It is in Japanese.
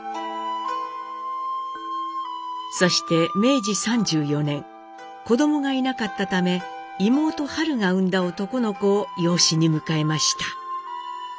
そして明治３４年子どもがいなかったため妹ハルが生んだ男の子を養子に迎えました。